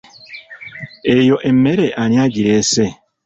Eyo emmere ani agireese?